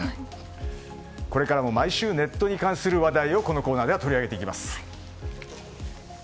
これからも毎週ネットに関する話題をこのコーナーでは取り上げていきます。